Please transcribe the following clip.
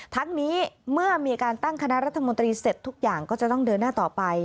ทั้งนี้เมื่อมีการตั้งคณะรัฐมนตรีเสร็จทุกอย่างก็จะต้องเดินหน้าต่อไป